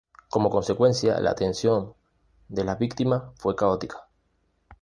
Como consecuencia, la atención de las víctimas fue caótica.